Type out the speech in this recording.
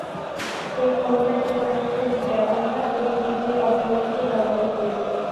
এই ক্ষমতা ক্ষেপণাস্ত্রের ব্যবহার এবং যুদ্ধের অর্থনীতিকে সর্বাধিক করে তোলে।